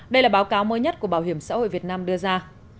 đây là báo cáo mới nhất của bảo hiểm xã hội việt nam đưa ra